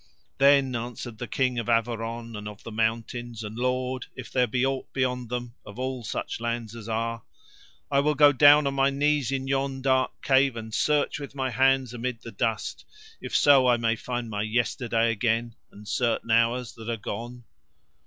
Then answered the King of Averon and of the mountains and Lord, if there be aught beyond them, of all such lands as are: "I will go down on my knees in yon dark cave and search with my hands amid the dust, if so I may find my yesterday again and certain hours that are gone."